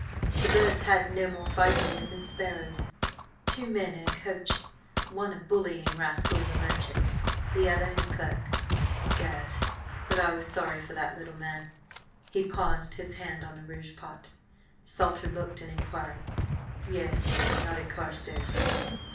The birds had no more fight in them than sparrows. Two men in a coach–one a bullying rascal of a merchant, the other his clerk. Gad! but I was sorry for that little man!" He paused, his hand on the rouge pot. Salter looked an inquiry. "Yes," nodded Carstares.